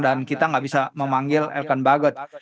dan kita nggak bisa memanggil elkan bagot